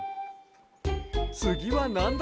つぎはなんだい？